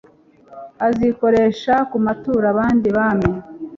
azikoresha ku maturo abandi bami